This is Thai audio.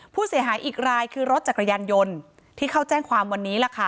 ผู้เสียหายอีกรายคือรถจักรยานยนต์ที่เข้าแจ้งความวันนี้ล่ะค่ะ